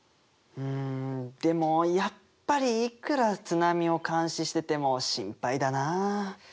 うんでもやっぱりいくら津波を監視してても心配だなあ。